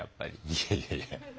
いやいやいや。